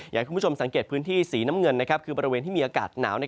อยากให้คุณผู้ชมสังเกตพื้นที่สีน้ำเงินคือบริเวณที่มีอากาศหนาว